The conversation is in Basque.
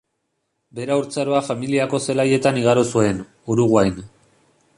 Bere haurtzaroa familiako zelaietan igaro zuen, Uruguain.